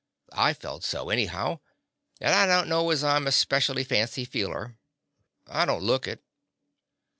I felt so, anyhow, and I don't know as I 'm a specially fancy feeler. I don't look it.